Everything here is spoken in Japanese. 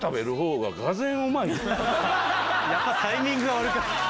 やっぱタイミングが悪かった。